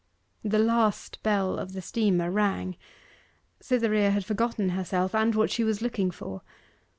The last bell of the steamer rang. Cytherea had forgotten herself, and what she was looking for.